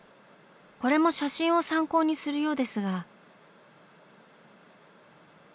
これも写真を参考にするようですが。